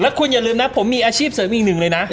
คุณอย่าลืมนะผมมีอาชีพเสริมอีกหนึ่งเลยนะ